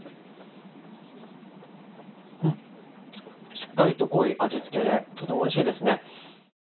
しっかりと濃い味付けでとてもおいしいですね。